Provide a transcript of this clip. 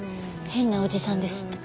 変なおじさんですって。